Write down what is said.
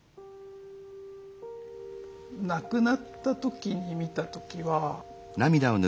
亡くなったときに見たときは。